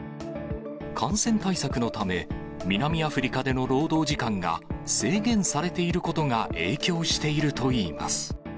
感染対策のため、南アフリカでの労働時間が制限されていることが影響しているといいます。